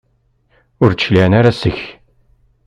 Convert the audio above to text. Ur d-cliɛen ara seg-k?